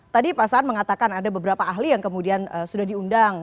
tadi pak saan mengatakan ada beberapa ahli yang kemudian sudah diundang